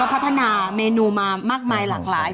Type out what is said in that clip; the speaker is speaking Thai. พัฒนาเมนูมามากมายหลากหลาย